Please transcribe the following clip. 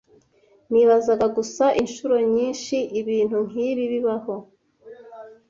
Nibazaga gusa inshuro nyinshi ibintu nkibi bibaho.